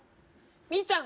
みちゃん